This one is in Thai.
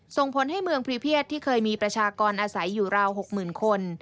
ส่งผลให้เมืองพรีเพียดที่เคยมีประชากรอาศัยอยู่ราว๖๐๐๐คน